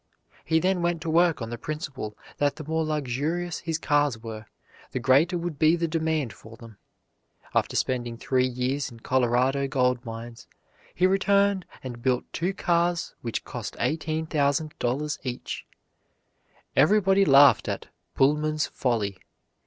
He then went to work on the principle that the more luxurious his cars were, the greater would be the demand for them. After spending three years in Colorado gold mines, he returned and built two cars which cost $18,000 each. Everybody laughed at "Pullman's folly."